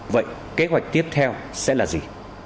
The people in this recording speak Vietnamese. vậy kế hoạch tiếp theo sẽ là gì